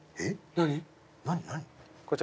何？